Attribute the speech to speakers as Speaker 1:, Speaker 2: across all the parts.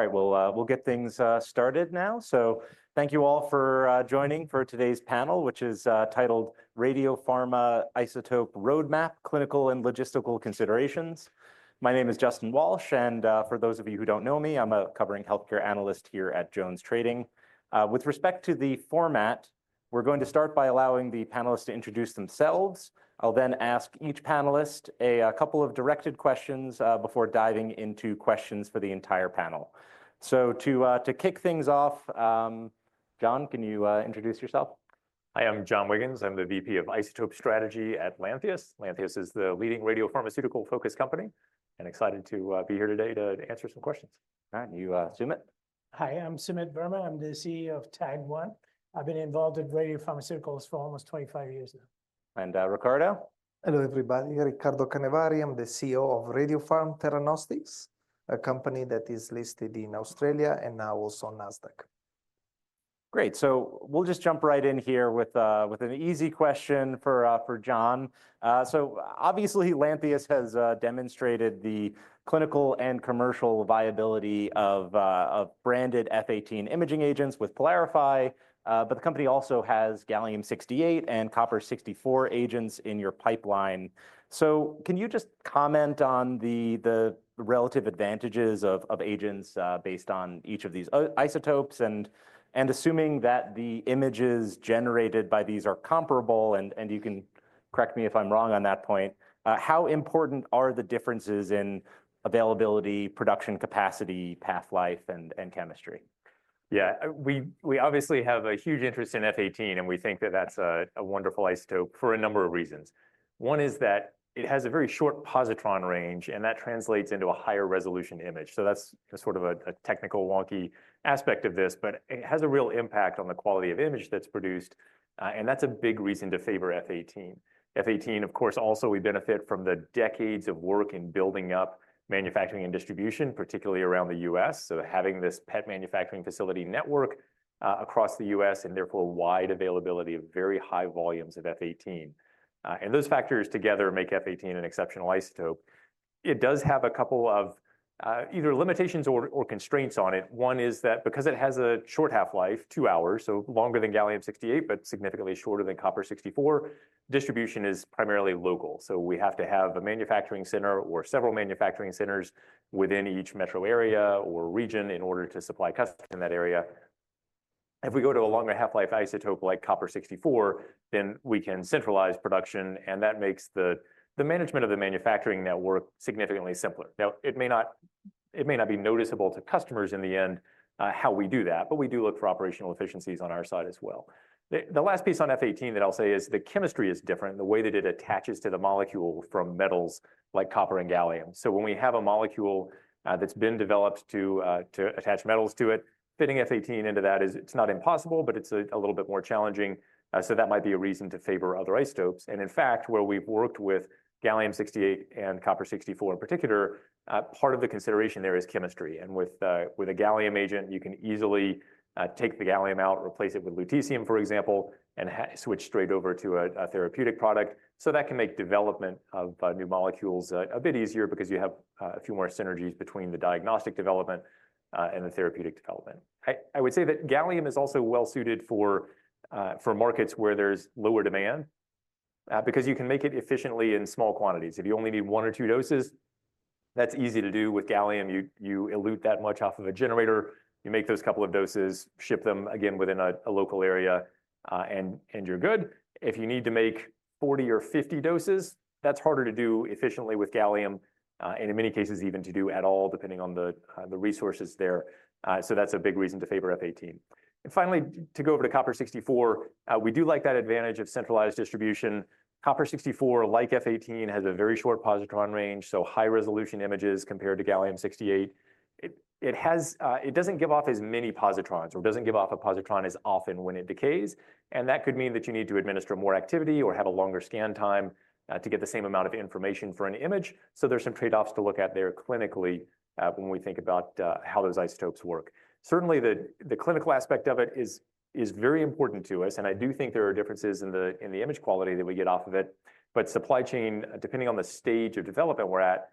Speaker 1: All right, we'll get things started now. Thank you all for joining for today's panel, which is titled Radiopharma Isotope Roadmap: Clinical and Logistical Considerations. My name is Justin Walsh, and for those of you who don't know me, I'm a covering healthcare analyst here at JonesTrading. With respect to the format, we're going to start by allowing the panelists to introduce themselves. I'll then ask each panelist a couple of directed questions before diving into questions for the entire panel. To kick things off, John, can you introduce yourself?
Speaker 2: Hi, I'm John Wiggins. I'm the VP of Isotope Strategy at Lantheus. Lantheus is the leading radiopharmaceutical focus company and excited to be here today to answer some questions.
Speaker 1: All right, you Sumit?
Speaker 3: Hi, I'm Sumit Verma. I'm the CEO of TAG1. I've been involved in radiopharmaceuticals for almost 25 years now.
Speaker 1: And Riccardo?
Speaker 4: Hello everybody. Riccardo Canevari, I'm the CEO of Radiopharm Theranostics, a company that is listed in Australia and now also on NASDAQ.
Speaker 1: Great. We'll just jump right in here with an easy question for John. Obviously, Lantheus has demonstrated the clinical and commercial viability of branded F-18 imaging agents with PYLARIFY, but the company also has gallium-68 and copper-64 agents in your pipeline. Can you just comment on the relative advantages of agents based on each of these isotopes? Assuming that the images generated by these are comparable, and you can correct me if I'm wrong on that point, how important are the differences in availability, production capacity, half-life, and chemistry?
Speaker 2: Yeah, we obviously have a huge interest in F-18, and we think that that's a wonderful isotope for a number of reasons. One is that it has a very short positron range, and that translates into a higher resolution image. That's sort of a technical wonky aspect of this, but it has a real impact on the quality of image that's produced, and that's a big reason to favor F-18. F-18, of course, also we benefit from the decades of work in building up manufacturing and distribution, particularly around the U.S. Having this PET manufacturing facility network across the U.S. and therefore wide availability of very high volumes of F-18, and those factors together make F-18 an exceptional isotope. It does have a couple of either limitations or constraints on it. One is that because it has a short half-life, two hours, so longer than gallium-68, but significantly shorter than copper-64, distribution is primarily local. We have to have a manufacturing center or several manufacturing centers within each metro area or region in order to supply customers in that area. If we go to a longer half-life isotope like copper-64, then we can centralize production, and that makes the management of the manufacturing network significantly simpler. It may not be noticeable to customers in the end how we do that, but we do look for operational efficiencies on our side as well. The last piece on F-18 that I'll say is the chemistry is different, the way that it attaches to the molecule from metals like copper and gallium. When we have a molecule that's been developed to attach metals to it, fitting F-18 into that, it's not impossible, but it's a little bit more challenging. That might be a reason to favor other isotopes. In fact, where we've worked with gallium-68 and copper-64 in particular, part of the consideration there is chemistry. With a gallium agent, you can easily take the gallium out, replace it with lutetium, for example, and switch straight over to a therapeutic product. That can make development of new molecules a bit easier because you have a few more synergies between the diagnostic development and the therapeutic development. I would say that gallium is also well suited for markets where there's lower demand because you can make it efficiently in small quantities. If you only need one or two doses, that's easy to do with gallium. You elute that much off of a generator, you make those couple of doses, ship them again within a local area, and you're good. If you need to make 40 doses or 50 doses, that's harder to do efficiently with gallium, and in many cases, even to do at all, depending on the resources there. That's a big reason to favor F-18. Finally, to go over to copper-64, we do like that advantage of centralized distribution. copper-64, like F-18, has a very short positron range, so high resolution images compared to gallium-68. It doesn't give off as many positrons or doesn't give off a positron as often when it decays. That could mean that you need to administer more activity or have a longer scan time to get the same amount of information for an image. There are some trade-offs to look at there clinically when we think about how those isotopes work. Certainly, the clinical aspect of it is very important to us. I do think there are differences in the image quality that we get off of it, but supply chain, depending on the stage of development we're at,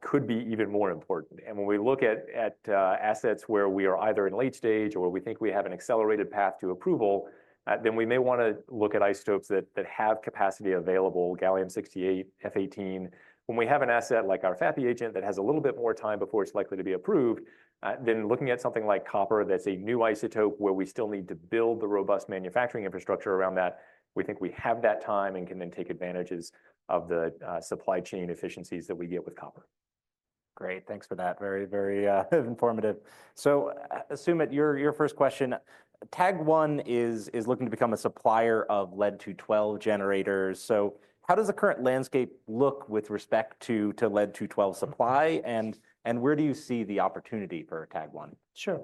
Speaker 2: could be even more important. When we look at assets where we are either in late stage or we think we have an accelerated path to approval, we may want to look at isotopes that have capacity available, gallium-68, F-18. When we have an asset like our FAPI agent that has a little bit more time before it's likely to be approved, then looking at something like copper, that's a new isotope where we still need to build the robust manufacturing infrastructure around that, we think we have that time and can then take advantages of the supply chain efficiencies that we get with copper.
Speaker 1: Great. Thanks for that. Very, very informative. Sumit, your first question, TAG1 is looking to become a supplier of lead-212 generators. How does the current landscape look with respect to lead-212 supply, and where do you see the opportunity for TAG1?
Speaker 3: Sure.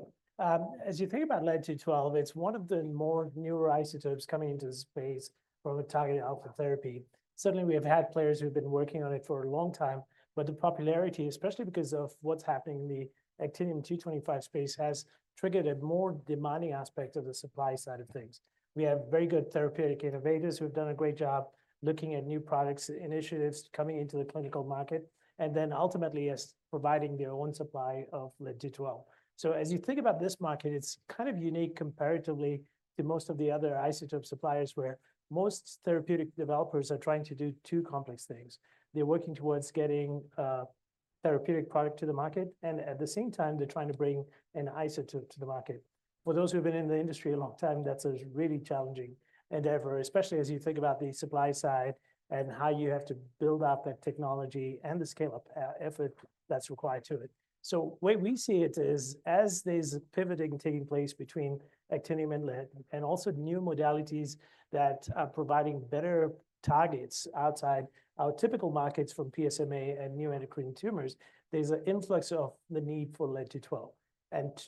Speaker 3: As you think about lead-212, it's one of the more newer isotopes coming into the space for targeted alpha therapy. Certainly, we have had players who've been working on it for a long time, but the popularity, especially because of what's happening in the actinium-225 space, has triggered a more demanding aspect of the supply side of things. We have very good therapeutic innovators who have done a great job looking at new products, initiatives coming into the clinical market, and then ultimately providing their own supply of lead-212. As you think about this market, it's kind of unique comparatively to most of the other isotope suppliers where most therapeutic developers are trying to do two complex things. They're working towards getting a therapeutic product to the market, and at the same time, they're trying to bring an isotope to the market. For those who have been in the industry a long time, that's a really challenging endeavor, especially as you think about the supply side and how you have to build up that technology and the scale-up effort that's required to it. The way we see it is as there's pivoting taking place between actinium and lead and also new modalities that are providing better targets outside our typical markets from PSMA and neuroendocrine tumors, there's an influx of the need for lead-212.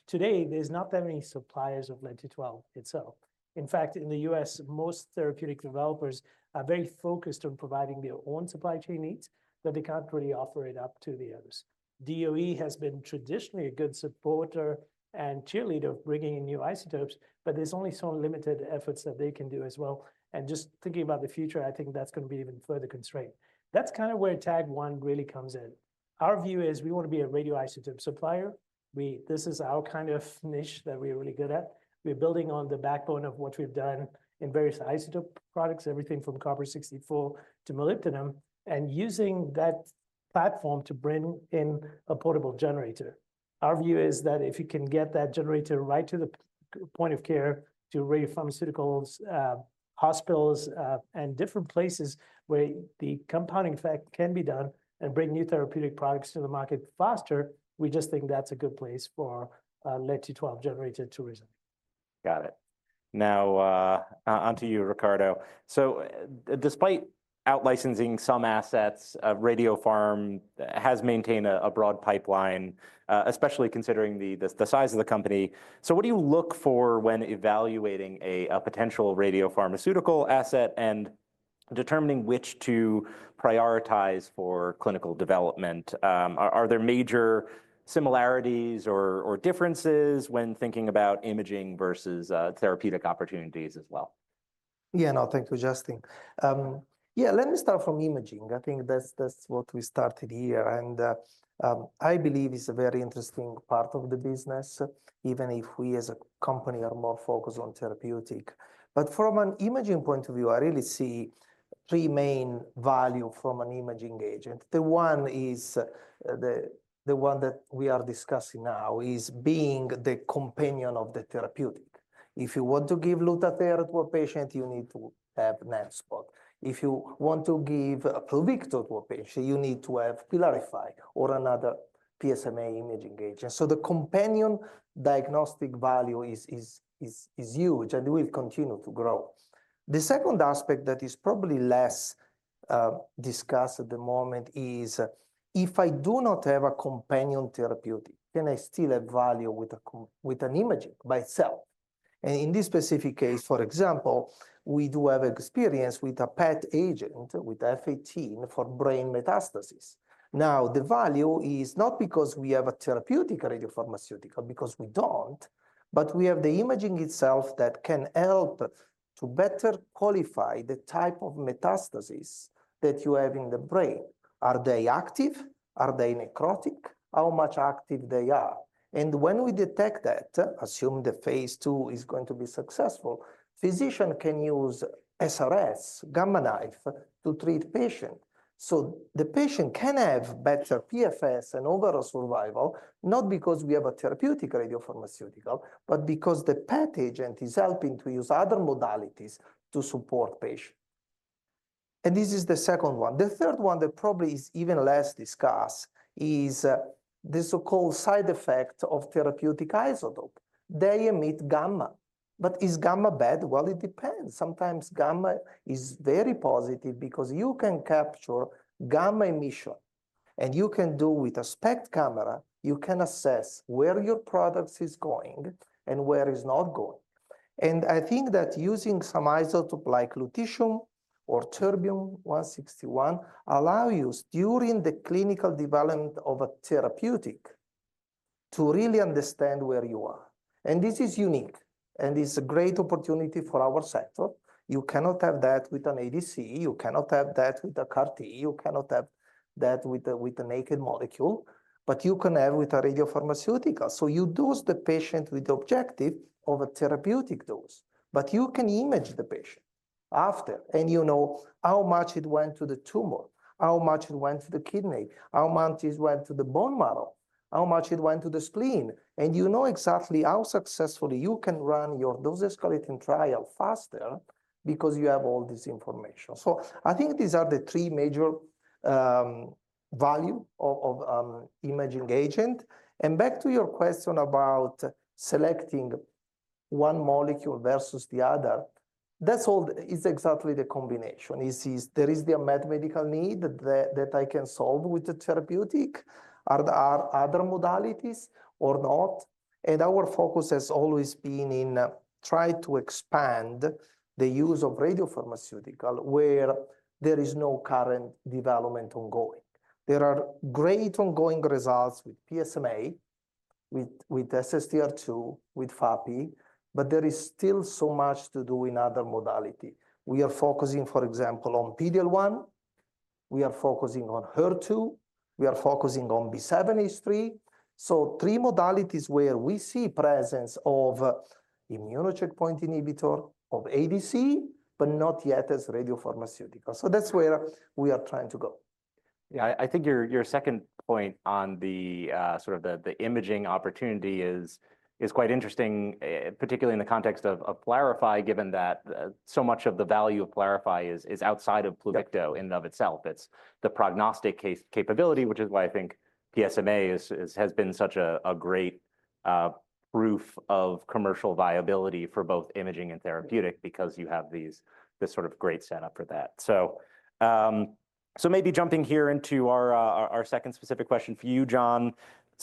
Speaker 3: Today, there's not that many suppliers of lead-212 itself. In fact, in the U.S., most therapeutic developers are very focused on providing their own supply chain needs, but they can't really offer it up to the others. DOE has been traditionally a good supporter and cheerleader of bringing in new isotopes, but there's only so limited efforts that they can do as well. Just thinking about the future, I think that's going to be even further constrained. That's kind of where TAG1 really comes in. Our view is we want to be a radioisotope supplier. This is our kind of niche that we're really good at. We're building on the backbone of what we've done in various isotope products, everything from copper-64 to molybdenum, and using that platform to bring in a portable generator. Our view is that if you can get that generator right to the point of care to radiopharmaceuticals, hospitals, and different places where the compounding effect can be done and bring new therapeutic products to the market faster, we just think that's a good place for a lead-212 generator to reside.
Speaker 1: Got it. Now, onto you, Riccardo. Despite outlicensing some assets, Radiopharm has maintained a broad pipeline, especially considering the size of the company. What do you look for when evaluating a potential radiopharmaceutical asset and determining which to prioritize for clinical development? Are there major similarities or differences when thinking about imaging versus therapeutic opportunities as well?
Speaker 4: Yeah, thank you, Justin. Let me start from imaging. I think that's what we started here. I believe it's a very interesting part of the business, even if we as a company are more focused on therapeutic. From an imaging point of view, I really see three main values from an imaging agent. The one is the one that we are discussing now, being the companion of the therapeutic. If you want to give Lutathera to a patient, you need to have NetSpot. If you want to give Pluvicto to a patient, you need to have PYLARIFY or another PSMA imaging agent. The companion diagnostic value is huge and will continue to grow. The second aspect that is probably less discussed at the moment is if I do not have a companion therapeutic, can I still have value with an imaging by itself? In this specific case, for example, we do have experience with a PET agent with F-18 for brain metastasis. Now, the value is not because we have a therapeutic radiopharmaceutical, because we don't, but we have the imaging itself that can help to better qualify the type of metastasis that you have in the brain. Are they active? Are they necrotic? How much active they are? When we detect that, assume the phase two is going to be successful, physicians can use SRS, Gamma Knife, to treat patients. The patient can have better PFS and overall survival, not because we have a therapeutic radiopharmaceutical, but because the PET agent is helping to use other modalities to support patients. This is the second one. The third one that probably is even less discussed is the so-called side effect of therapeutic isotope. They emit gamma. Is gamma bad? It depends. Sometimes gamma is very positive because you can capture gamma emission. You can do with a SPECT camera, you can assess where your product is going and where it's not going. I think that using some isotope like lutetium or terbium-161 allows you during the clinical development of a therapeutic to really understand where you are. This is unique and is a great opportunity for our sector. You cannot have that with an ADC. You cannot have that with a CAR-T. You cannot have that with a naked molecule, but you can have with a radiopharmaceutical. You dose the patient with the objective of a therapeutic dose, but you can image the patient after and you know how much it went to the tumor, how much it went to the kidney, how much it went to the bone marrow, how much it went to the spleen. You know exactly how successfully you can run your dose-escalating trial faster because you have all this information. I think these are the three major values of imaging agent. Back to your question about selecting one molecule versus the other, that's all, it's exactly the combination. There is the medical need that I can solve with the therapeutic. Are there other modalities or not? Our focus has always been in trying to expand the use of radiopharmaceuticals where there is no current development ongoing. There are great ongoing results with PSMA, with SSTR2, with FAPI, but there is still so much to do in other modalities. We are focusing, for example, on PD-L1. We are focusing on HER2. We are focusing on B7-H3. Three modalities where we see presence of immune checkpoint inhibitor, of ADC, but not yet as radiopharmaceutical. That is where we are trying to go.
Speaker 1: Yeah, I think your second point on the sort of the imaging opportunity is quite interesting, particularly in the context of PYLARIFY, given that so much of the value of PYLARIFY is outside of Pluvicto in and of itself. It's the prognostic capability, which is why I think PSMA has been such a great proof of commercial viability for both imaging and therapeutic because you have this sort of great setup for that. Maybe jumping here into our second specific question for you, John.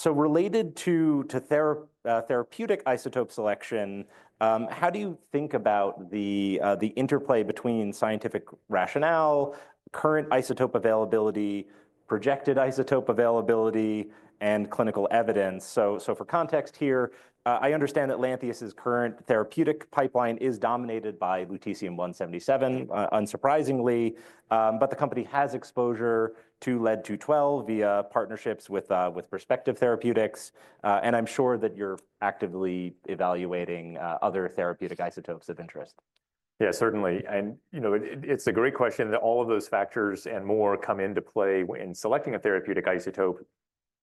Speaker 1: Related to therapeutic isotope selection, how do you think about the interplay between scientific rationale, current isotope availability, projected isotope availability, and clinical evidence? For context here, I understand that Lantheus's current therapeutic pipeline is dominated by lutetium-177, unsurprisingly, but the company has exposure to lead-212 via partnerships with Perspective Therapeutics. I'm sure that you're actively evaluating other therapeutic isotopes of interest.
Speaker 2: Yeah, certainly. It's a great question that all of those factors and more come into play in selecting a therapeutic isotope.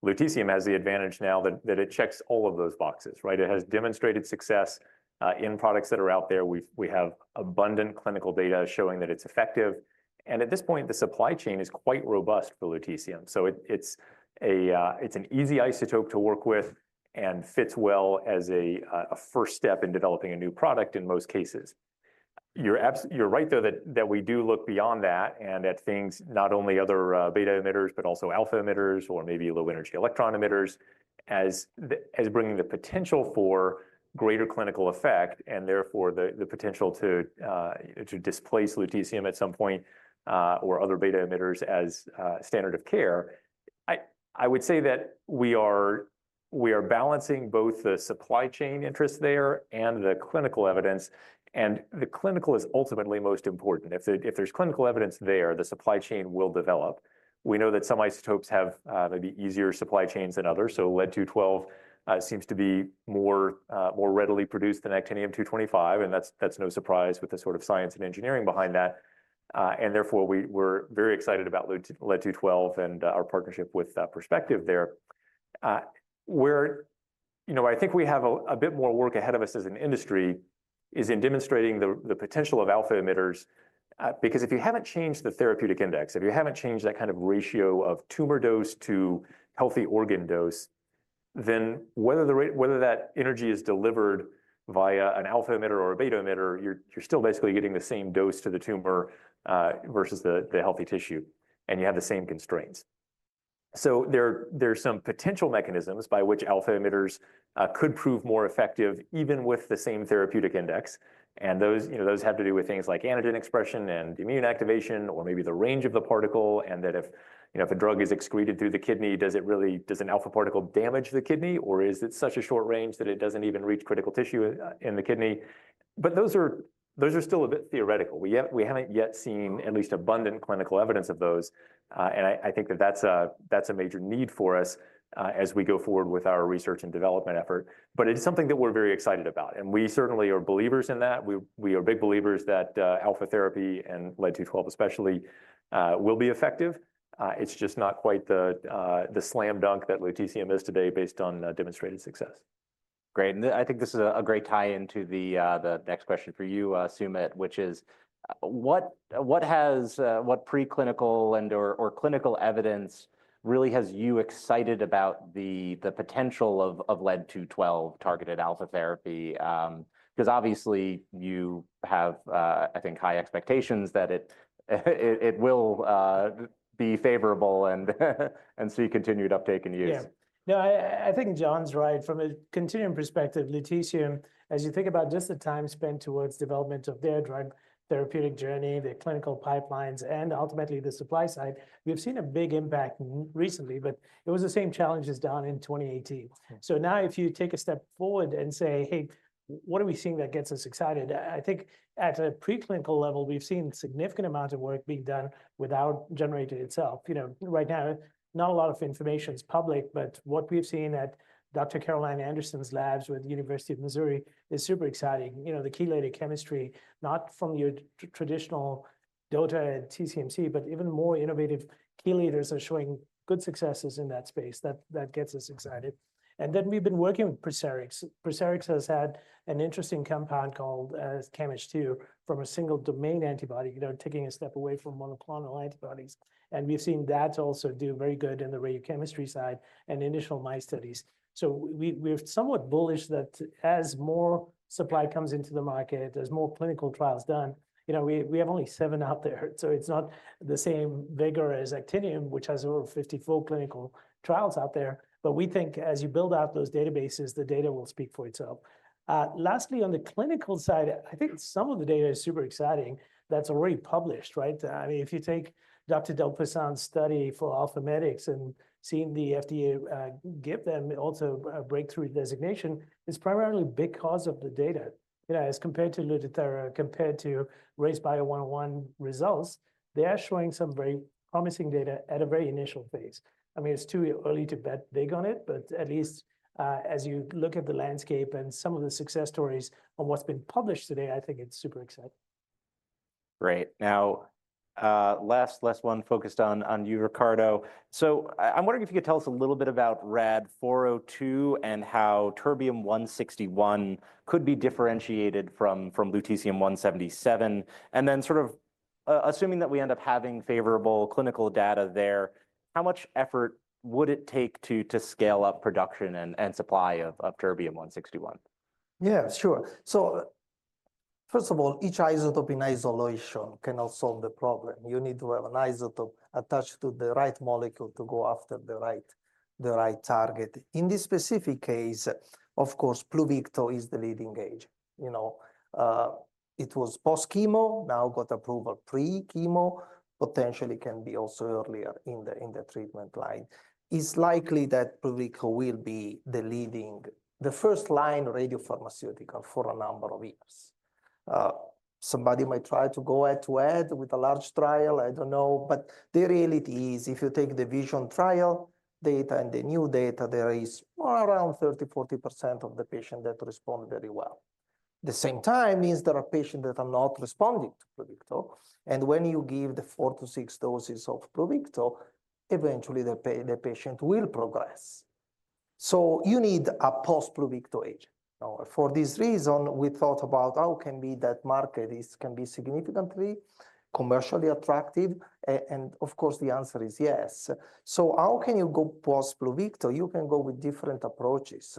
Speaker 2: Lutetium has the advantage now that it checks all of those boxes, right? It has demonstrated success in products that are out there. We have abundant clinical data showing that it's effective. At this point, the supply chain is quite robust for lutetium. It's an easy isotope to work with and fits well as a first step in developing a new product in most cases. You're right, though, that we do look beyond that and at things, not only other beta emitters, but also alpha emitters or maybe low energy electron emitters as bringing the potential for greater clinical effect and therefore the potential to displace lutetium at some point or other beta emitters as standard of care. I would say that we are balancing both the supply chain interest there and the clinical evidence. The clinical is ultimately most important. If there's clinical evidence there, the supply chain will develop. We know that some isotopes have maybe easier supply chains than others. Lead-212 seems to be more readily produced than actinium-225. That is no surprise with the sort of science and engineering behind that. Therefore, we are very excited about lead-212 and our partnership with Perspective there. Where I think we have a bit more work ahead of us as an industry is in demonstrating the potential of alpha emitters because if you haven't changed the therapeutic index, if you haven't changed that kind of ratio of tumor dose to healthy organ dose, then whether that energy is delivered via an alpha emitter or a beta emitter, you're still basically getting the same dose to the tumor versus the healthy tissue, and you have the same constraints. There are some potential mechanisms by which alpha emitters could prove more effective even with the same therapeutic index. Those have to do with things like antigen expression and immune activation or maybe the range of the particle and that if a drug is excreted through the kidney, does an alpha particle damage the kidney or is it such a short range that it does not even reach critical tissue in the kidney? Those are still a bit theoretical. We have not yet seen at least abundant clinical evidence of those. I think that is a major need for us as we go forward with our research and development effort. It is something that we are very excited about. We certainly are believers in that. We are big believers that alpha therapy and lead-212 especially will be effective. It is just not quite the slam dunk that lutetium is today based on demonstrated success.
Speaker 1: Great. I think this is a great tie into the next question for you, Sumit, which is what has what preclinical and/or clinical evidence really has you excited about the potential of lead-212 targeted alpha therapy? Because obviously, you have, I think, high expectations that it will be favorable and see continued uptake in use.
Speaker 3: Yeah. No, I think John's right. From a continuum perspective, lutetium, as you think about just the time spent towards development of their drug therapeutic journey, their clinical pipelines, and ultimately the supply side, we've seen a big impact recently, but it was the same challenges down in 2018. If you take a step forward and say, "Hey, what are we seeing that gets us excited?" I think at a preclinical level, we've seen significant amounts of work being done without generating itself. Right now, not a lot of information is public, but what we've seen at Dr. Carolyn Anderson's labs with the University of Missouri is super exciting. The chelator chemistry, not from your traditional DOTA and TCMC, but even more innovative chelators are showing good successes in that space. That gets us excited. We've been working with Precirix. Precirix has had an interesting compound called CAM-H2 from a single domain antibody, taking a step away from monoclonal antibodies. We have seen that also do very good in the radiochemistry side and initial mice studies. We are somewhat bullish that as more supply comes into the market, as more clinical trials are done, we have only seven out there. It is not the same vigor as actinium, which has over 54 clinical trials out there. We think as you build out those databases, the data will speak for itself. Lastly, on the clinical side, I think some of the data is super exciting that is already published, right? I mean, if you take Dr. Delpassand's study for AlphaMedix and seeing the FDA give them also a breakthrough designation, it is primarily because of the data. As compared to Lutathera, compared to RayzeBio 101 results, they are showing some very promising data at a very initial phase. I mean, it's too early to bet big on it, but at least as you look at the landscape and some of the success stories on what's been published today, I think it's super exciting.
Speaker 1: Great. Now, last one focused on you, Riccardo. I'm wondering if you could tell us a little bit about RAD-402 and how terbium-161 could be differentiated from lutetium-177. Then sort of assuming that we end up having favorable clinical data there, how much effort would it take to scale up production and supply of terbium-161?
Speaker 4: Yeah, sure. First of all, each isotope in isolation cannot solve the problem. You need to have an isotope attached to the right molecule to go after the right target. In this specific case, of course, Pluvicto is the leading agent. It was post chemo, now got approval pre chemo, potentially can be also earlier in the treatment line. It's likely that Pluvicto will be the leading, the first line radiopharmaceutical for a number of years. Somebody might try to go head to head with a large trial. I don't know. The reality is if you take the VISION trial data and the new data, there is around 30%-40% of the patient that respond very well. At the same time, there are patients that are not responding to Pluvicto. When you give the four to six doses of Pluvicto, eventually the patient will progress. You need a post-Pluvicto agent. For this reason, we thought about how can be that market is can be significantly commercially attractive. Of course, the answer is yes. How can you go post-Pluvicto? You can go with different approaches.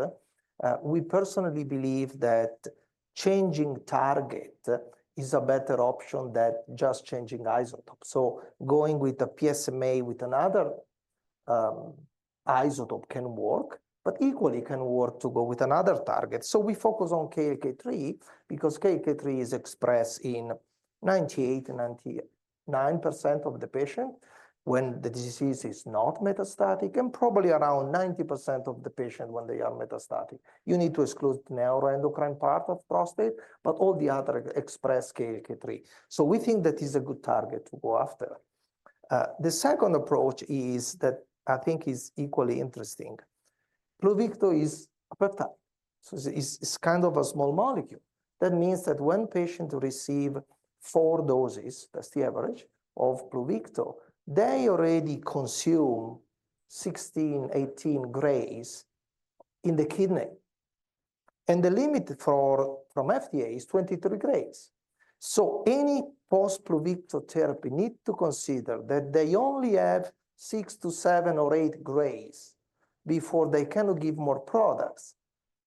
Speaker 4: We personally believe that changing target is a better option than just changing isotope. Going with a PSMA with another isotope can work, but equally can work to go with another target. We focus on KLK3 because KLK3 is expressed in 98%-99% of the patient when the disease is not metastatic and probably around 90% of the patient when they are metastatic. You need to exclude the neuroendocrine part of prostate, but all the other express KLK3. We think that is a good target to go after. The second approach is that I think is equally interesting. Pluvicto is peptide. It is kind of a small molecule. That means that when patients receive four doses, that is the average of Pluvicto, they already consume 16 grays-18 grays in the kidney. The limit from FDA is 23 grays. Any post-Pluvicto therapy needs to consider that they only have six to seven or eight grays before they can give more products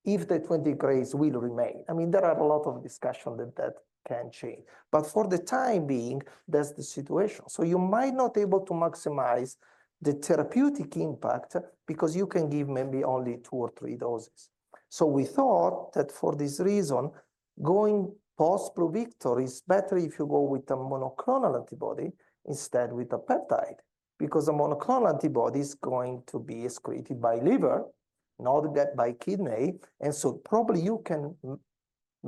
Speaker 4: if the 20 grays will remain. I mean, there are a lot of discussions that can change. For the time being, that is the situation. You might not be able to maximize the therapeutic impact because you can give maybe only two or three doses. We thought that for this reason, going post-Pluvicto is better if you go with a monoclonal antibody instead with a peptide because a monoclonal antibody is going to be excreted by liver, not by kidney. You can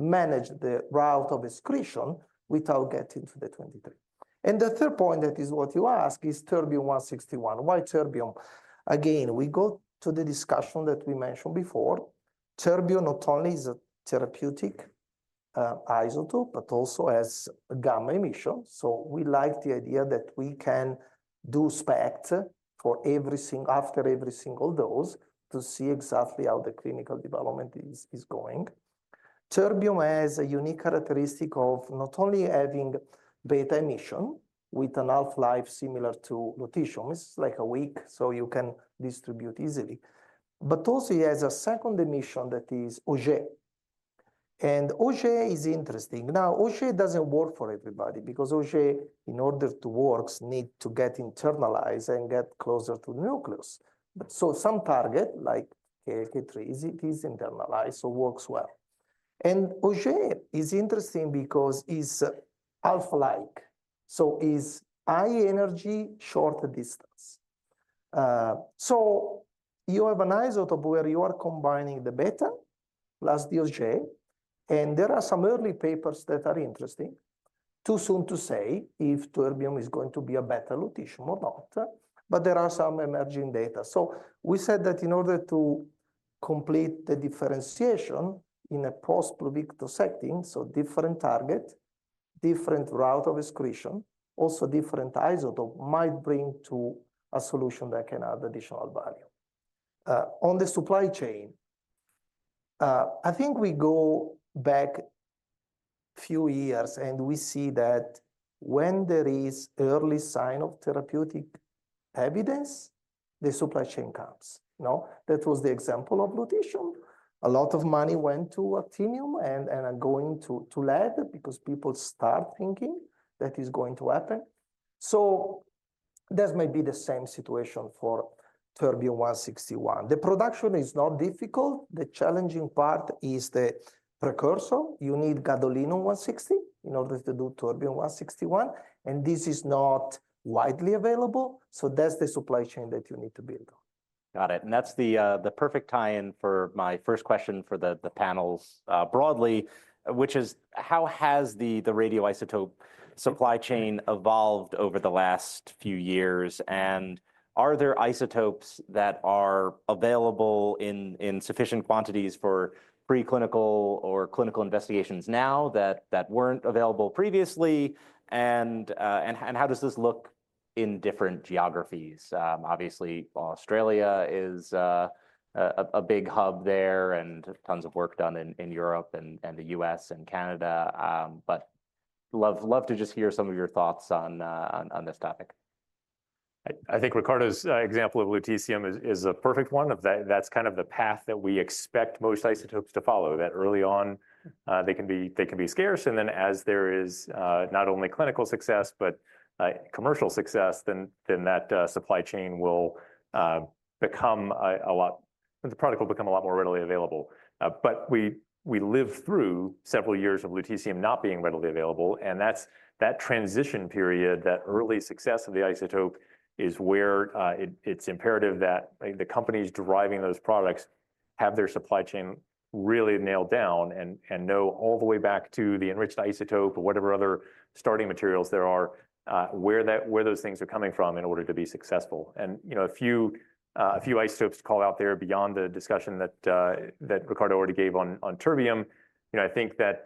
Speaker 4: probably manage the route of excretion without getting to the 23 grays. The third point, which is what you asked, is terbium-161. Why terbium? Again, we go to the discussion that we mentioned before. Terbium not only is a therapeutic isotope, but also has gamma emission. We like the idea that we can do SPECT after every single dose to see exactly how the clinical development is going. Terbium has a unique characteristic of not only having beta emission with a half-life similar to lutetium. It is like a week, so you can distribute easily. It also has a second emission that is Auger. Auger is interesting. Now, Auger does not work for everybody because Auger, in order to work, needs to get internalized and get closer to the nucleus. Some targets like KLK3, it is internalized or works well. Auger is interesting because it's alpha-like. It is high energy, short distance. You have an isotope where you are combining the beta plus the Auger. There are some early papers that are interesting. Too soon to say if terbium is going to be a better lutetium or not. There are some emerging data. We said that in order to complete the differentiation in a post-Pluvicto setting, different target, different route of excretion, also different isotope might bring to a solution that can add additional value. On the supply chain, I think we go back a few years and we see that when there is early sign of therapeutic evidence, the supply chain comes. That was the example of lutetium. A lot of money went to actinium and going to lead because people start thinking that is going to happen. That may be the same situation for terbium-161. The production is not difficult. The challenging part is the precursor. You need gadolinium-160 in order to do terbium-161. This is not widely available. That is the supply chain that you need to build on.
Speaker 1: Got it. That's the perfect tie-in for my first question for the panels broadly, which is how has the radioisotope supply chain evolved over the last few years? Are there isotopes that are available in sufficient quantities for preclinical or clinical investigations now that were not available previously? How does this look in different geographies? Obviously, Australia is a big hub there and tons of work is done in Europe and the U.S. and Canada. I would love to just hear some of your thoughts on this topic.
Speaker 2: I think Riccardo's example of lutetium is a perfect one of that. That's kind of the path that we expect most isotopes to follow, that early on, they can be scarce. As there is not only clinical success, but commercial success, that supply chain will become a lot, the product will become a lot more readily available. We live through several years of lutetium not being readily available. That transition period, that early success of the isotope is where it's imperative that the companies driving those products have their supply chain really nailed down and know all the way back to the enriched isotope or whatever other starting materials there are, where those things are coming from in order to be successful. A few isotopes call out there beyond the discussion that Riccardo already gave on terbium. I think that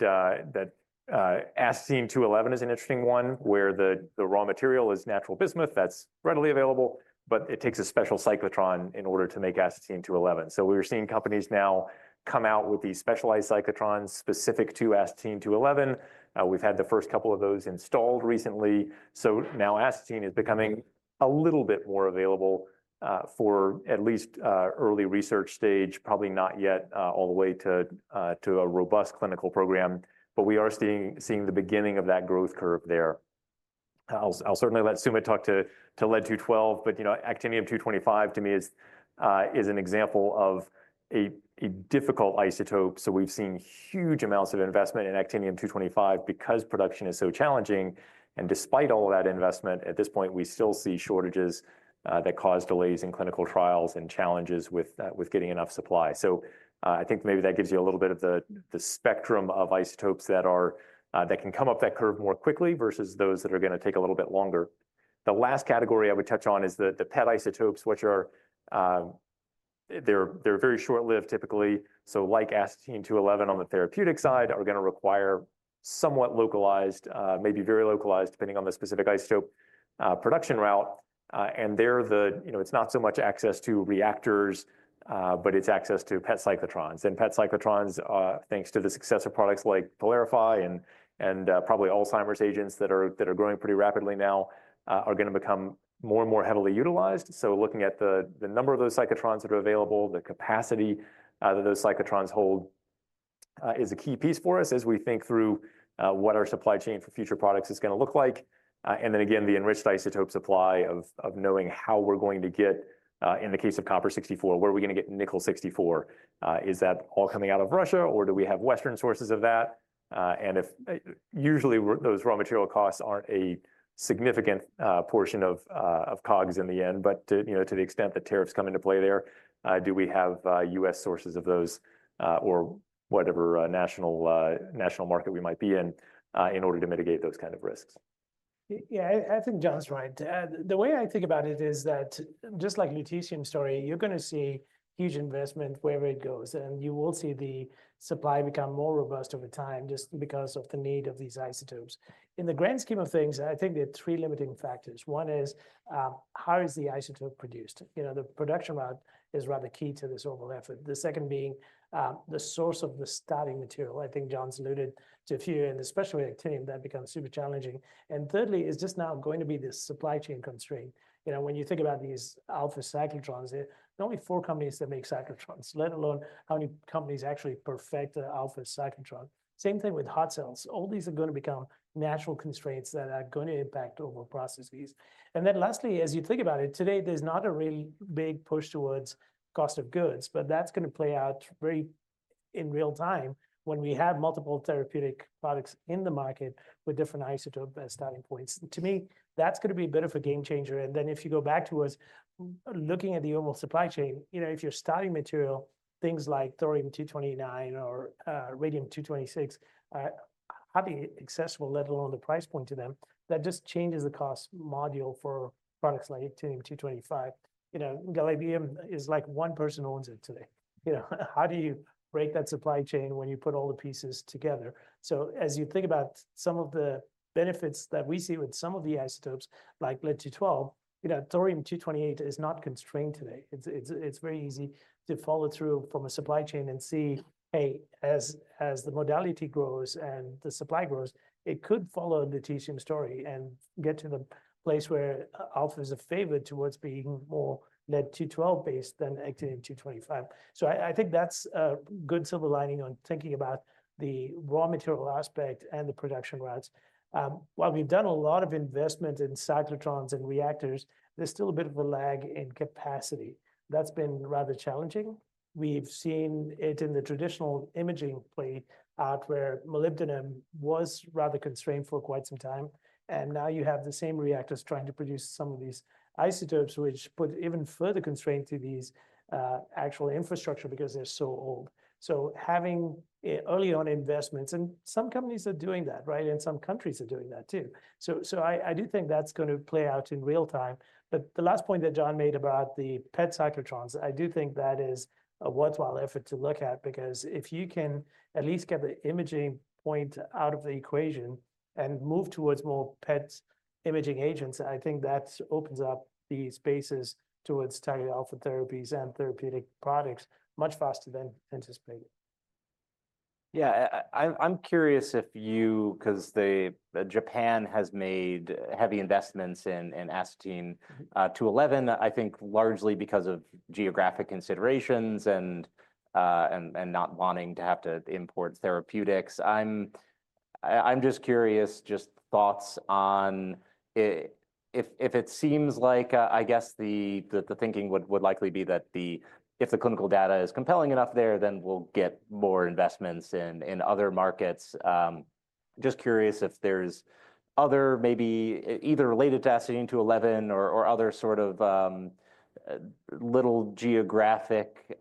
Speaker 2: astatine-211 is an interesting one where the raw material is natural bismuth that's readily available, but it takes a special cyclotron in order to make astatine-211 astatine-211. We are seeing companies now come out with these specialized cyclotrons specific to astatine-211. We've had the first couple of those installed recently. Astatine is becoming a little bit more available for at least early research stage, probably not yet all the way to a robust clinical program. We are seeing the beginning of that growth curve there. I'll certainly let Sumit talk to lead-212. Actinium-225, to me, is an example of a difficult isotope. We have seen huge amounts of investment in actinium-225 because production is so challenging. Despite all of that investment, at this point, we still see shortages that cause delays in clinical trials and challenges with getting enough supply. I think maybe that gives you a little bit of the spectrum of isotopes that can come up that curve more quickly versus those that are going to take a little bit longer. The last category I would touch on is the PET isotopes, which are very short-lived typically. Like astatine-211 on the therapeutic side, they are going to require somewhat localized, maybe very localized depending on the specific isotope production route. There, it is not so much access to reactors, but it is access .to PET cyclotrons. PET cyclotrons, thanks to the success of products like PYLARIFY and probably Alzheimer's agents that are growing pretty rapidly now, are going to become more and more heavily utilized. Looking at the number of those cyclotrons that are available, the capacity that those cyclotrons hold is a key piece for us as we think through what our supply chain for future products is going to look like. Again, the enriched isotope supply of knowing how we're going to get, in the case of copper-64, where are we going to get nickel-64? Is that all coming out of Russia or do we have Western sources of that? Usually those raw material costs are not a significant portion of COGS in the end. To the extent that tariffs come into play there, do we have U.S. sources of those or whatever national market we might be in in order to mitigate those kinds of risks?
Speaker 3: Yeah, I think John's right. The way I think about it is that just like the lutetium story, you're going to see huge investment wherever it goes. You will see the supply become more robust over time just because of the need of these isotopes. In the grand scheme of things, I think there are three limiting factors. One is how is the isotope produced? The production route is rather key to this overall effort. The second being the source of the starting material. I think John's alluded to a few, and especially with actinium, that becomes super challenging. Thirdly, it's just now going to be this supply chain constraint. When you think about these alpha cyclotrons, there are only four companies that make cyclotrons, let alone how many companies actually perfect the alpha cyclotron. Same thing with hot cells. All these are going to become natural constraints that are going to impact overall processes. Lastly, as you think about it, today, there's not a really big push towards cost of goods, but that's going to play out very in real time when we have multiple therapeutic products in the market with different isotope starting points. To me, that's going to be a bit of a game changer. If you go back towards looking at the overall supply chain, if your starting material, things like thorium-229 or radium-226, how do you accessible, let alone the price point to them? That just changes the cost module for products like actinium-225. gallium is like one person owns it today. How do you break that supply chain when you put all the pieces together? As you think about some of the benefits that we see with some of the isotopes like lead-212, thorium-228 is not constrained today. It's very easy to follow through from a supply chain and see, hey, as the modality grows and the supply grows, it could follow the lutetium story and get to the place where alpha is a favorite towards being more lead-212 based than actinium-225. I think that's a good silver lining on thinking about the raw material aspect and the production routes. While we've done a lot of investment in cyclotrons and reactors, there's still a bit of a lag in capacity. That's been rather challenging. We've seen it in the traditional imaging plate out where molybdenum was rather constrained for quite some time. You have the same reactors trying to produce some of these isotopes, which put even further constraint to these actual infrastructure because they're so old. Having early on investments, and some companies are doing that, right? Some countries are doing that too. I do think that's going to play out in real time. The last point that John made about the PET cyclotrons, I do think that is a worthwhile effort to look at because if you can at least get the imaging point out of the equation and move towards more PET imaging agents, I think that opens up these bases towards targeted alpha therapies and therapeutic products much faster than anticipated.
Speaker 1: Yeah, I'm curious if you, because Japan has made heavy investments in astatine-211, I think largely because of geographic considerations and not wanting to have to import therapeutics. I'm just curious, just thoughts on if it seems like, I guess the thinking would likely be that if the clinical data is compelling enough there, then we'll get more investments in other markets. Just curious if there's other maybe either related to astatine-211 or other sort of little geographic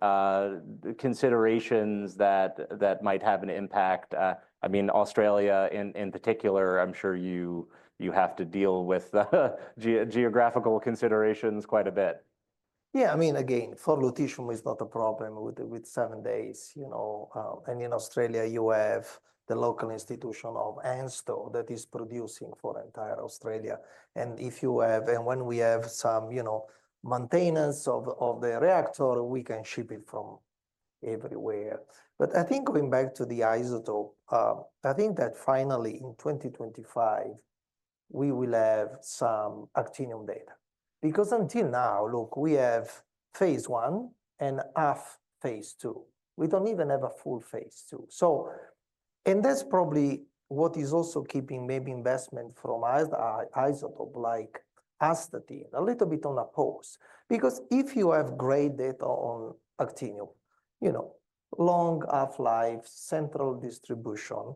Speaker 1: considerations that might have an impact. I mean, Australia in particular, I'm sure you have to deal with geographical considerations quite a bit.
Speaker 4: Yeah, I mean, again, for lutetium, it's not a problem with seven days. In Australia, you have the local institution of ANSTO that is producing for entire Australia. If you have, and when we have some maintenance of the reactor, we can ship it from everywhere. I think going back to the isotope, I think that finally in 2025, we will have some actinium data. Because until now, look, we have phase one and half phase two. We don't even have a full phase two. That's probably what is also keeping maybe investment from isotopes like astatine a little bit on a pause. If you have great data on actinium, long half-life, central distribution,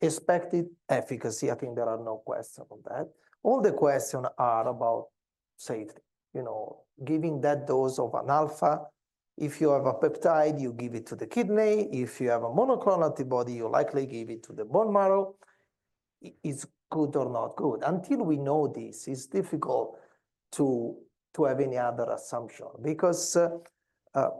Speaker 4: expected efficacy, I think there are no questions on that. All the questions are about safety. Giving that dose of an alpha, if you have a peptide, you give it to the kidney. If you have a monoclonal antibody, you likely give it to the bone marrow. It's good or not good. Until we know this, it's difficult to have any other assumption. Because the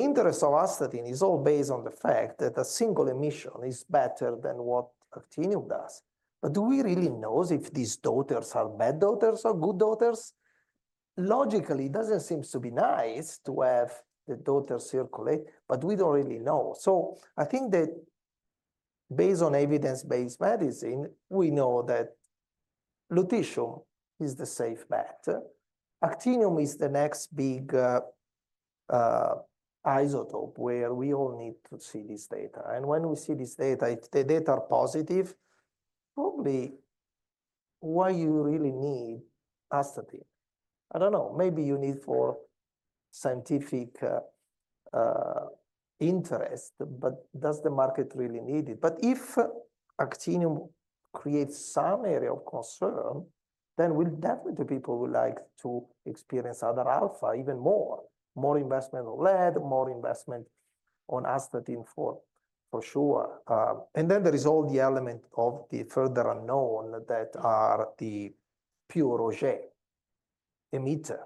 Speaker 4: interest of astatine is all based on the fact that a single emission is better than what actinium does. Do we really know if these daughters are bad daughters or good daughters? Logically, it doesn't seem to be nice to have the daughter circulate, but we don't really know. I think that based on evidence-based medicine, we know that lutetium is the safe bet. Actinium is the next big isotope where we all need to see this data. When we see this data, if the data are positive, probably why you really need astatine? I don't know. Maybe you need for scientific interest, but does the market really need it? If actinium creates some area of concern, then we'll definitely people would like to experience other alpha even more. More investment on lead, more investment on astatine for sure. There is all the element of the further unknown that are the pure Auger emitter.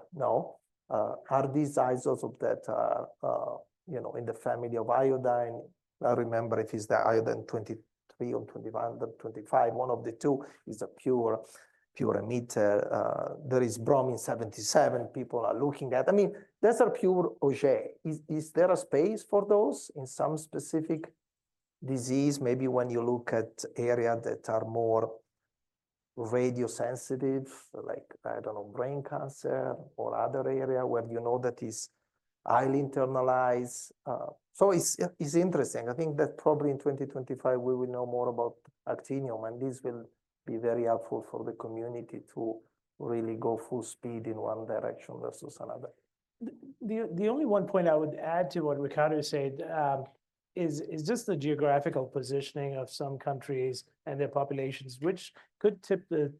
Speaker 4: Are these isotopes that in the family of iodine? I remember it is the iodine-123 or iodine-121 or iodine-125. One of the two is a pure emitter. There is bromine-77 people are looking at. I mean, those are pure Auger. Is there a space for those in some specific disease? Maybe when you look at areas that are more radio-sensitive, like, I don't know, brain cancer or other area where you know that is highly internalized. So it's interesting. I think that probably in 2025, we will know more about actinium. This will be very helpful for the community to really go full speed in one direction versus another.
Speaker 3: The only one point I would add to what Riccardo said is just the geographical positioning of some countries and their populations, which could tip the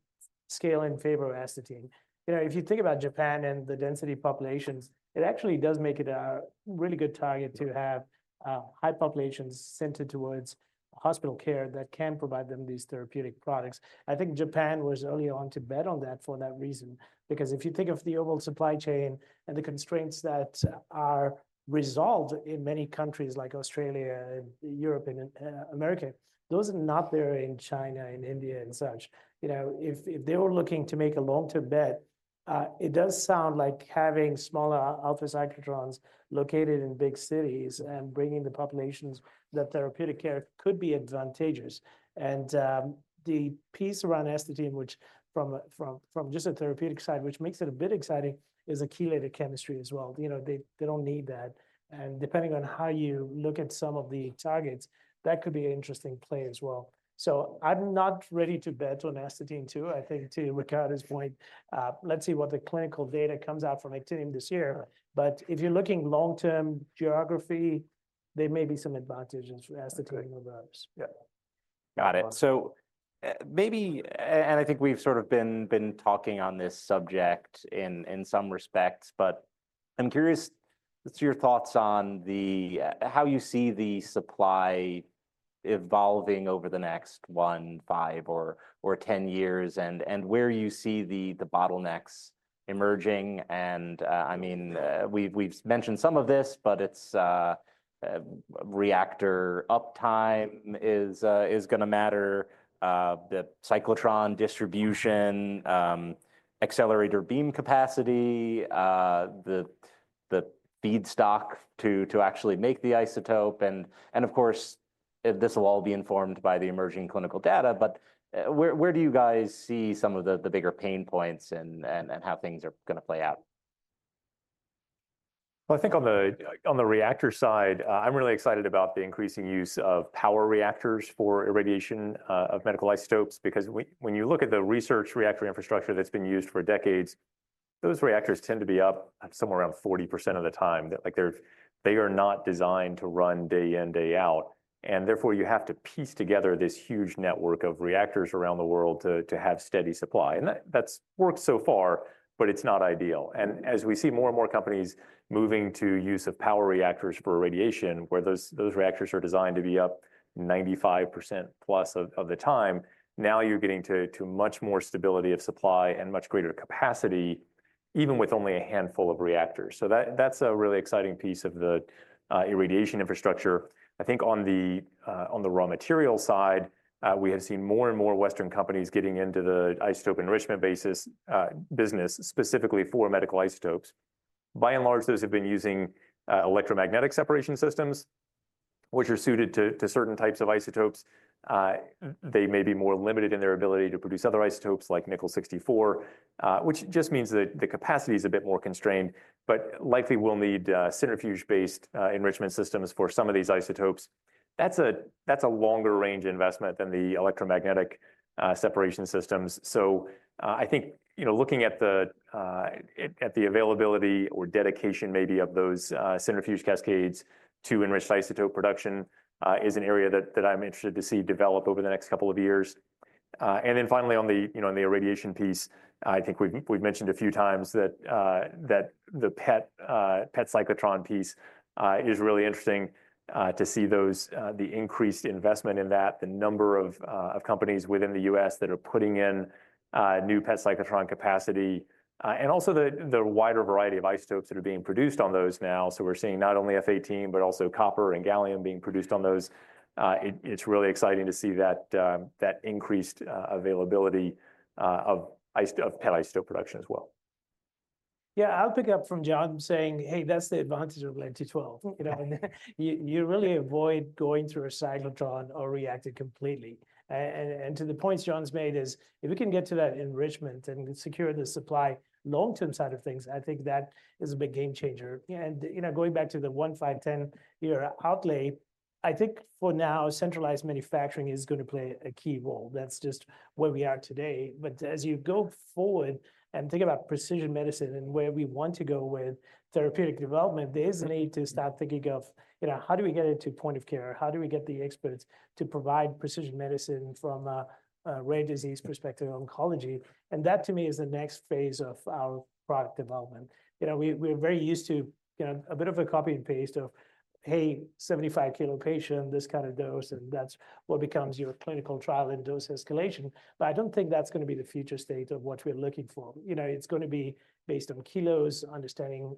Speaker 3: scale in favor of astatine. If you think about Japan and the density populations, it actually does make it a really good target to have high populations centered towards hospital care that can provide them these therapeutic products. I think Japan was early on to bet on that for that reason. Because if you think of the overall supply chain and the constraints that are resolved in many countries like Australia and Europe and America, those are not there in China and India and such. If they were looking to make a long-term bet, it does sound like having smaller alpha cyclotrons located in big cities and bringing the populations that therapeutic care could be advantageous. The piece around astatine, which from just a therapeutic side, which makes it a bit exciting, is a chelated chemistry as well. They do not need that. Depending on how you look at some of the targets, that could be an interesting play as well. I am not ready to bet on astatine too, I think, to Riccardo's point. Let's see what the clinical data comes out from astatine this year. If you are looking long-term geography, there may be some advantages for astatine over others.
Speaker 1: Yeah. Got it. Maybe, and I think we've sort of been talking on this subject in some respects, but I'm curious to your thoughts on how you see the supply evolving over the next one, five, or 10 years and where you see the bottlenecks emerging. I mean, we've mentioned some of this, but it's reactor uptime is going to matter, the cyclotron distribution, accelerator beam capacity, the feedstock to actually make the isotope. Of course, this will all be informed by the emerging clinical data. Where do you guys see some of the bigger pain points and how things are going to play out?
Speaker 2: I think on the reactor side, I'm really excited about the increasing use of power reactors for irradiation of medical isotopes. Because when you look at the research reactor infrastructure that's been used for decades, those reactors tend to be up somewhere around 40% of the time. They are not designed to run day in, day out. Therefore, you have to piece together this huge network of reactors around the world to have steady supply. That's worked so far, but it's not ideal. As we see more and more companies moving to use of power reactors for irradiation, where those reactors are designed to be up 95%+ of the time, now you're getting to much more stability of supply and much greater capacity, even with only a handful of reactors. That's a really exciting piece of the irradiation infrastructure. I think on the raw material side, we have seen more and more Western companies getting into the isotope enrichment basis business specifically for medical isotopes. By and large, those have been using electromagnetic separation systems, which are suited to certain types of isotopes. They may be more limited in their ability to produce other isotopes like nickel-64, which just means that the capacity is a bit more constrained, but likely will need centrifuge-based enrichment systems for some of these isotopes. That is a longer range investment than the electromagnetic separation systems. I think looking at the availability or dedication maybe of those centrifuge cascades to enriched isotope production is an area that I'm interested to see develop over the next couple of years. Finally, on the irradiation piece, I think we've mentioned a few times that the PET cyclotron piece is really interesting to see the increased investment in that, the number of companies within the U.S. that are putting in new PET cyclotron capacity, and also the wider variety of isotopes that are being produced on those now. We're seeing not only F-18, but also copper and gallium being produced on those. It's really exciting to see that increased availability of PET isotope production as well.
Speaker 3: Yeah, I'll pick up from John saying, hey, that's the advantage of lead-212. You really avoid going through a cyclotron or reacting completely. To the points John's made, if we can get to that enrichment and secure the supply long-term side of things, I think that is a big game changer. Going back to the 15-10 year outlay, I think for now, centralized manufacturing is going to play a key role. That's just where we are today. As you go forward and think about precision medicine and where we want to go with therapeutic development, there is a need to start thinking of how do we get it to point of care? How do we get the experts to provide precision medicine from a rare disease perspective of oncology? That to me is the next phase of our product development. We're very used to a bit of a copy and paste of, hey, 75 kilo patient, this kind of dose, and that's what becomes your clinical trial and dose escalation. I don't think that's going to be the future state of what we're looking for. It's going to be based on kilos, understanding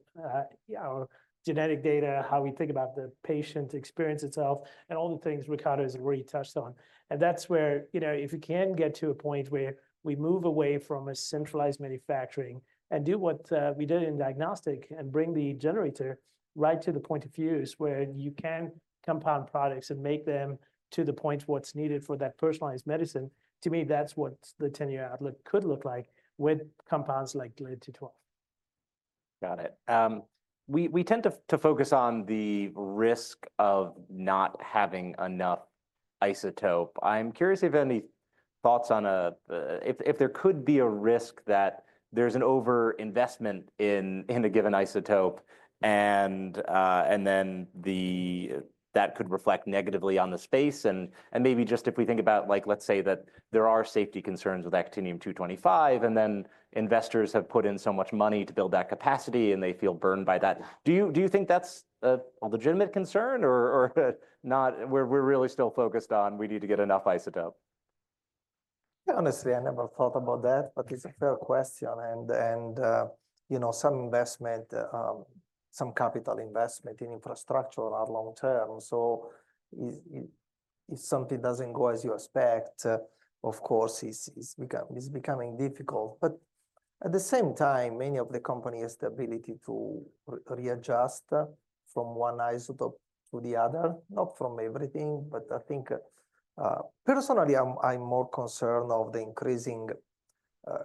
Speaker 3: our genetic data, how we think about the patient experience itself, and all the things Riccardo has already touched on. That's where if we can get to a point where we move away from a centralized manufacturing and do what we did in diagnostic and bring the generator right to the point of use where you can compound products and make them to the point what's needed for that personalized medicine, to me, that's what the 10-year outlook could look like with compounds like lead-212.
Speaker 1: Got it. We tend to focus on the risk of not having enough isotope. I'm curious if any thoughts on if there could be a risk that there's an overinvestment in a given isotope and then that could reflect negatively on the space. Maybe just if we think about, let's say that there are safety concerns with actinium-225, and then investors have put in so much money to build that capacity and they feel burned by that. Do you think that's a legitimate concern or not? We're really still focused on we need to get enough isotope.
Speaker 4: Honestly, I never thought about that, but it's a fair question. Some investment, some capital investment in infrastructure are long-term. If something doesn't go as you expect, of course, it's becoming difficult. At the same time, many of the companies' ability to readjust from one isotope to the other, not from everything. I think personally, I'm more concerned of the increasing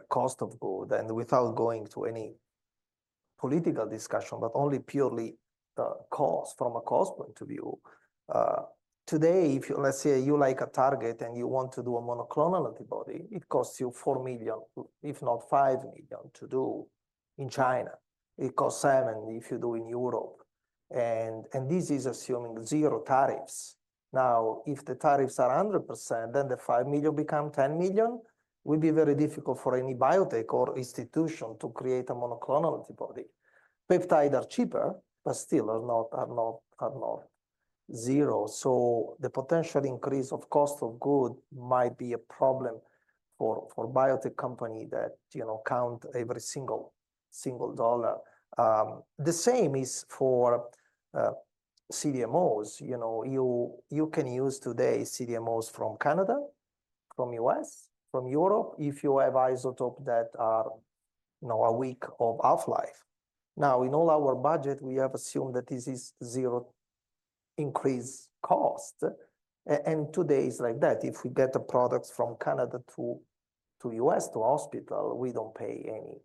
Speaker 4: cost of good. Without going to any political discussion, but only purely from a cost point of view, today, if you, let's say you like a target and you want to do a monoclonal antibody, it costs you $4 million, if not $5 million to do in China. It costs $7 million if you do in Europe. This is assuming zero tariffs. Now, if the tariffs are 100%, then the $5 million become $10 million. It would be very difficult for any biotech or institution to create a monoclonal antibody. Peptides are cheaper, but still are not zero. The potential increase of cost of good might be a problem for biotech companies that count every single dollar. The same is for CDMOs. You can use today CDMOs from Canada, from U.S., from Europe if you have isotopes that are a week of half-life. Now, in all our budget, we have assumed that this is zero increase cost. Today it's like that. If we get the products from Canada to U.S. to hospital, we don't pay any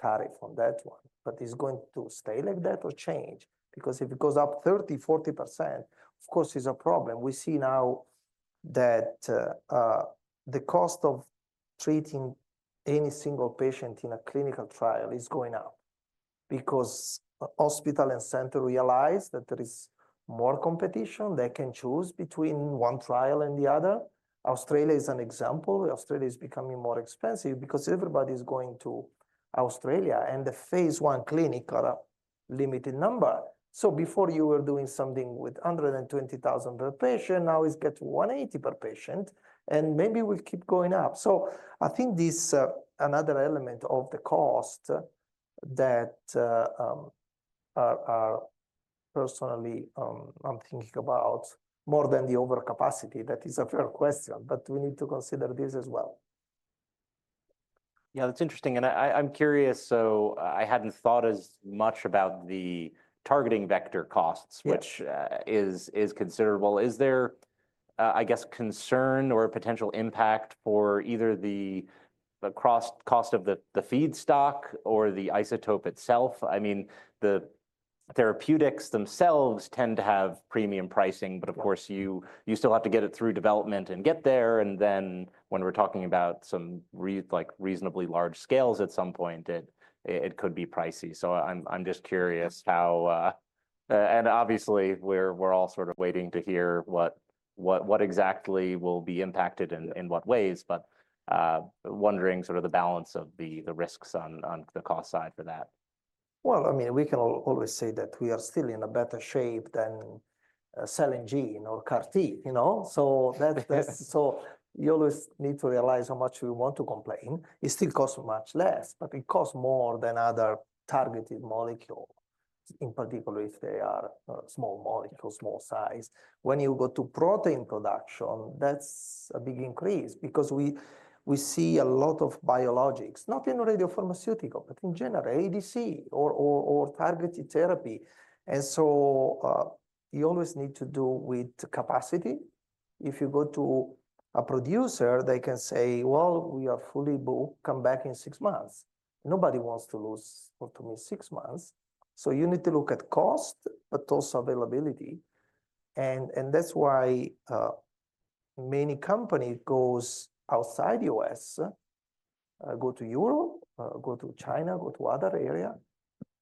Speaker 4: tariff on that one. Is it going to stay like that or change? If it goes up 30%, 40%, of course, it's a problem. We see now that the cost of treating any single patient in a clinical trial is going up. Because hospital and center realize that there is more competition. They can choose between one trial and the other. Australia is an example. Australia is becoming more expensive because everybody is going to Australia. The phase one clinic got a limited number. Before you were doing something with $120,000 per patient, now it is getting to $180,000 per patient. Maybe it will keep going up. I think this is another element of the cost that personally I am thinking about more than the overcapacity. That is a fair question, but we need to consider this as well.
Speaker 1: Yeah, that's interesting. I'm curious. I hadn't thought as much about the targeting vector costs, which is considerable. Is there, I guess, concern or potential impact for either the cost of the feedstock or the isotope itself? I mean, the therapeutics themselves tend to have premium pricing, but of course, you still have to get it through development and get there. When we're talking about some reasonably large scales at some point, it could be pricey. I'm just curious how, and obviously, we're all sort of waiting to hear what exactly will be impacted and in what ways. Wondering sort of the balance of the risks on the cost side for that.
Speaker 4: I mean, we can always say that we are still in a better shape than cell and gene or CAR-T. You always need to realize how much we want to complain. It still costs much less, but it costs more than other targeted molecules, in particular if they are small molecules, small size. When you go to protein production, that's a big increase because we see a lot of biologics, not in radiopharmaceutical, but in general, ADC or targeted therapy. You always need to do with capacity. If you go to a producer, they can say, we are fully booked, come back in six months. Nobody wants to lose or to miss six months. You need to look at cost, but also availability. That's why many companies go outside the U.S., go to Europe, go to China, go to other areas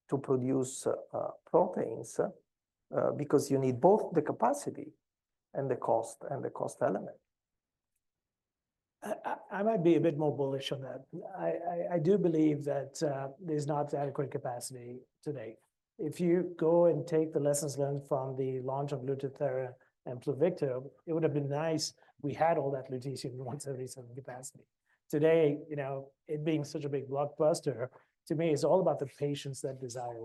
Speaker 4: to produce proteins because you need both the capacity and the cost and the cost element.
Speaker 3: I might be a bit more bullish on that. I do believe that there's not adequate capacity today. If you go and take the lessons learned from the launch of Lutathera and Pluvicto, it would have been nice if we had all that lutetium-177 capacity. Today, it being such a big blockbuster, to me, it's all about the patients that desire.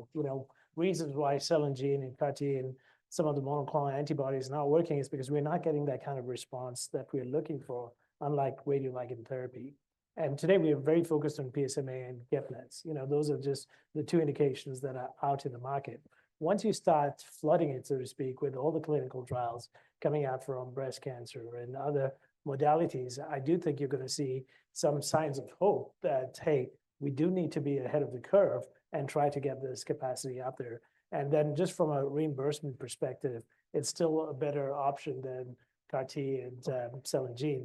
Speaker 3: Reasons why cell and gene and CAR-T and some of the monoclonal antibodies are not working is because we're not getting that kind of response that we're looking for, unlike radio-imaging therapy. Today, we are very focused on PSMA and GEP-NETs. Those are just the two indications that are out in the market. Once you start flooding it, so to speak, with all the clinical trials coming out from breast cancer and other modalities, I do think you're going to see some signs of hope that, hey, we do need to be ahead of the curve and try to get this capacity out there. Just from a reimbursement perspective, it's still a better option than CAR-T and cell and gene.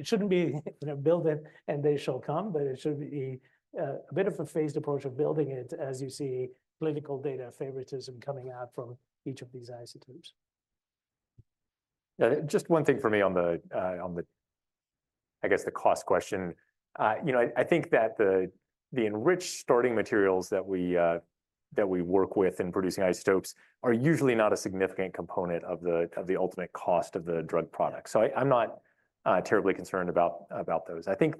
Speaker 3: It shouldn't be built in and they shall come, but it should be a bit of a phased approach of building it as you see clinical data favoritism coming out from each of these isotopes.
Speaker 2: Just one thing for me on the, I guess, the cost question. I think that the enriched starting materials that we work with in producing isotopes are usually not a significant component of the ultimate cost of the drug product. So I'm not terribly concerned about those. I think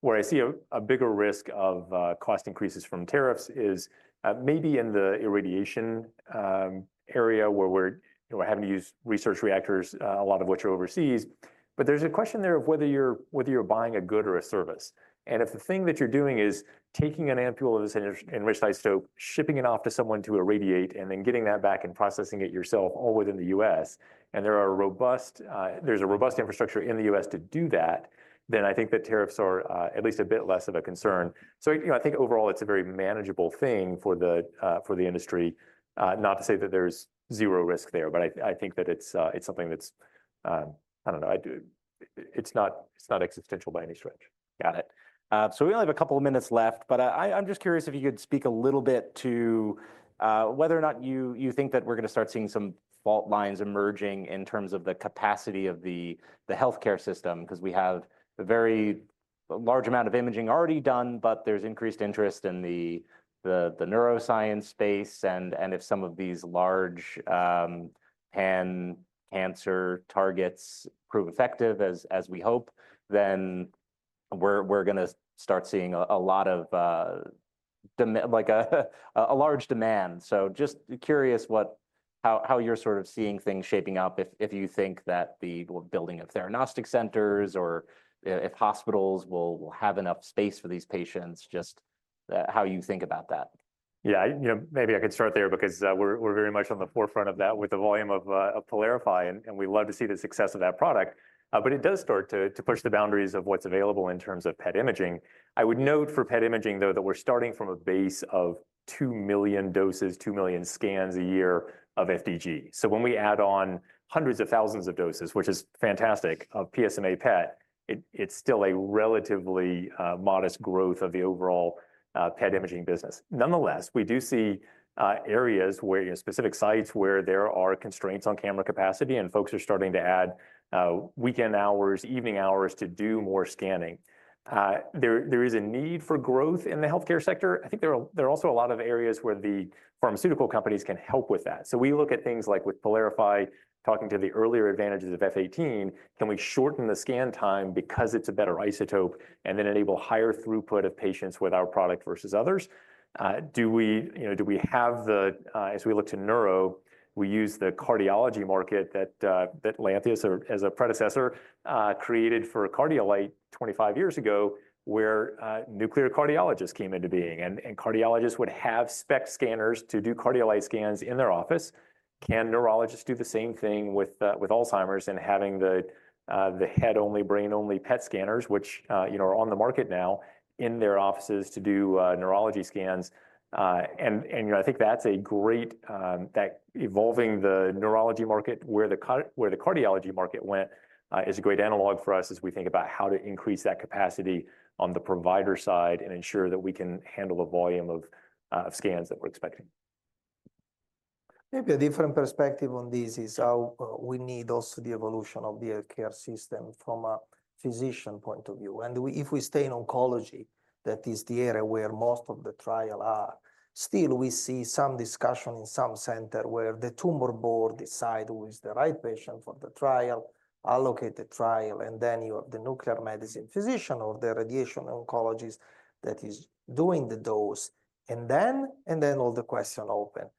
Speaker 2: where I see a bigger risk of cost increases from tariffs is maybe in the irradiation area where we're having to use research reactors, a lot of which are overseas. But there's a question there of whether you're buying a good or a service. If the thing that you're doing is taking an ampoule of this enriched isotope, shipping it off to someone to irradiate, and then getting that back and processing it yourself all within the U.S., and there's a robust infrastructure in the U.S. to do that, then I think that tariffs are at least a bit less of a concern. I think overall, it's a very manageable thing for the industry, not to say that there's zero risk there, but I think that it's something that's, I don't know, it's not existential by any stretch.
Speaker 1: Got it. We only have a couple of minutes left, but I'm just curious if you could speak a little bit to whether or not you think that we're going to start seeing some fault lines emerging in terms of the capacity of the healthcare system because we have a very large amount of imaging already done, but there's increased interest in the neuroscience space. If some of these large pan-cancer targets prove effective, as we hope, then we're going to start seeing a lot of a large demand. Just curious how you're sort of seeing things shaping up if you think that the building of theranostics centers or if hospitals will have enough space for these patients, just how you think about that.
Speaker 2: Yeah, maybe I could start there because we're very much on the forefront of that with the volume of PYLARIFY and we love to see the success of that product. It does start to push the boundaries of what's available in terms of PET imaging. I would note for PET imaging, though, that we're starting from a base of 2 million doses, 2 million scans a year of FDG. When we add on hundreds of thousands of doses, which is fantastic, of PSMA PET, it's still a relatively modest growth of the overall PET imaging business. Nonetheless, we do see areas where specific sites where there are constraints on camera capacity and folks are starting to add weekend hours, evening hours to do more scanning. There is a need for growth in the healthcare sector. I think there are also a lot of areas where the pharmaceutical companies can help with that. We look at things like with PYLARIFY, talking to the earlier advantages of F-18, can we shorten the scan time because it's a better isotope and then enable higher throughput of patients with our product versus others? Do we have the, as we look to neuro, we use the cardiology market that Lantheus, as a predecessor, created for Cardiolite 25 years ago where nuclear cardiologists came into being. Cardiologists would have SPECT scanners to do Cardiolite scans in their office. Can neurologists do the same thing with Alzheimer's and having the head-only, brain-only PET scanners, which are on the market now in their offices to do neurology scans? I think that's a great evolving the neurology market where the cardiology market went is a great analog for us as we think about how to increase that capacity on the provider side and ensure that we can handle the volume of scans that we're expecting.
Speaker 4: Maybe a different perspective on this is how we need also the evolution of the healthcare system from a physician point of view. If we stay in oncology, that is the area where most of the trials are, still we see some discussion in some center where the tumor board decides who is the right patient for the trial, allocate the trial, and you have the nuclear medicine physician or the radiation oncologist that is doing the dose. All the question opens,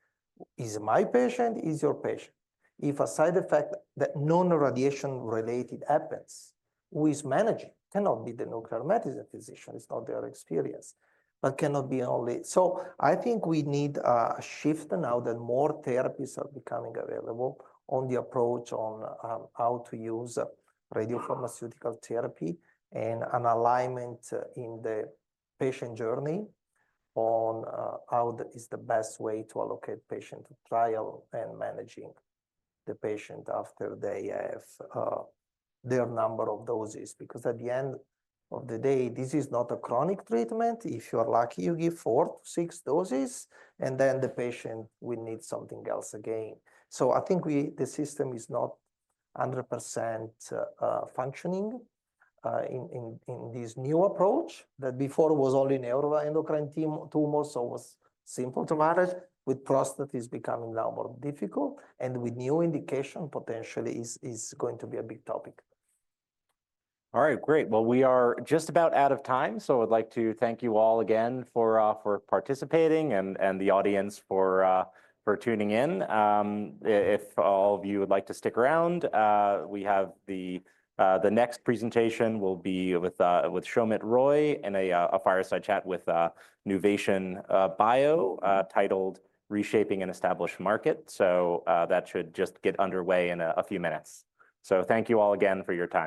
Speaker 4: is my patient, is your patient? If a side effect that is non-radiation related happens, who is managing? Cannot be the nuclear medicine physician. It's not their experience, but cannot be only. I think we need a shift now that more therapies are becoming available on the approach on how to use radiopharmaceutical therapy and an alignment in the patient journey on how is the best way to allocate patient trial and managing the patient after they have their number of doses. Because at the end of the day, this is not a chronic treatment. If you are lucky, you give four to six doses, and then the patient will need something else again. I think the system is not 100% functioning in this new approach that before was only neuroendocrine tumors, so it was simple to manage. With prostates, it's becoming now more difficult. With new indication, potentially is going to be a big topic.
Speaker 1: All right, great. We are just about out of time. I'd like to thank you all again for participating and the audience for tuning in. If all of you would like to stick around, the next presentation will be with Soumit Roy in a fireside chat with Nuvation Bio titled Reshaping an Established Market. That should just get underway in a few minutes. Thank you all again for your time.